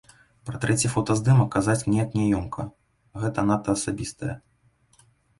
Пра трэці фотаздымак казаць неяк няёмка, гэта надта асабістае.